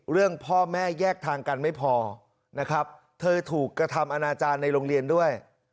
เรื่องพ่อแม่แยกทางกันไม่พอนะครับเธอถูกกระทำอนาจารย์ในโรงเรียนด้วย